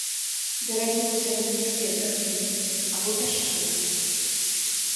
Берагі возера нізкія, тарфяністыя або пясчаныя.